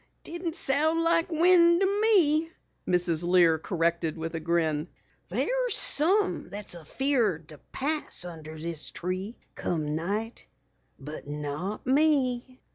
"Didn't sound like wind to me," Mrs. Lear corrected with a grin. "There's some that's afeared to pass under this tree come night but not me!"